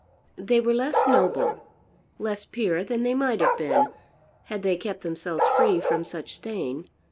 They were less noble, less pure than they might have been, had they kept themselves free from such stain.